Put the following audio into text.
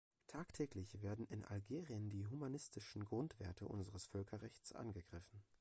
Tagtäglich werden in Algerien die humanistischen Grundwerte unseres Völkerrechts angegriffen.